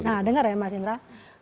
nah dengar ya mas indra